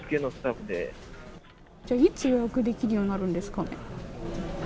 いつ、予約できるようになるんですかね？